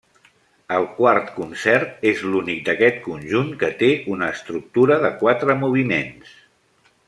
El quart concert és l'únic d'aquest conjunt que té una estructura de quatre moviments.